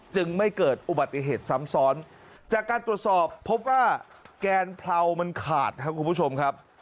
ไม่เกิดอุบัติเหตุซ้ำซ้อนจากการตรวจสอบพบว่าแกนเพรามันขาดครับคุณผู้ชมครับ